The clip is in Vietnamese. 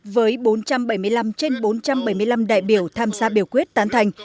với bốn trăm bảy mươi năm trên bốn trăm bảy mươi năm đại biểu tham gia biểu quyết tán thành